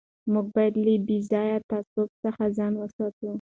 موږ باید له بې ځایه تعصب څخه ځان وساتو.